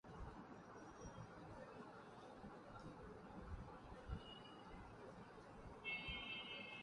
As a tropical cyclone is moving, its wind field is asymmetric.